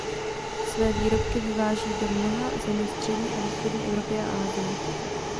Své výrobky vyváží do mnoha zemí střední a východní Evropy a Asie.